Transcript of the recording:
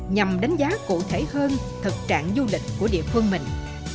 nhằm đánh giá cụ thể hơn thực trạng du lịch của địa phương mình